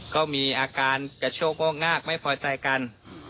ก็มีอาการกระโชคโงกงากไม่พอใจกัน